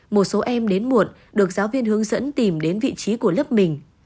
một số em đến muộn được giáo viên hướng dẫn tìm đến vị trí của lớp mình